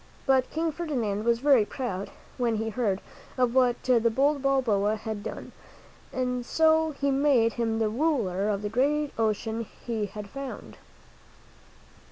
But King Ferdinand was very proud when he heard of what the bold Balboa had done, and so he made him the ruler of the great ocean he had found.